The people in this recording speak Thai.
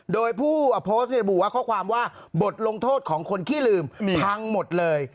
โดยผู้โพสต์ระบุว่าข้อความว่าบทลงโทษของคนขี้ลืมพังหมดเลย